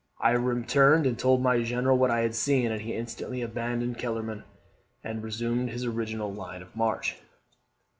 I returned and told my general what I had seen, and he instantly abandoned Kellerman, and resumed his original line of march.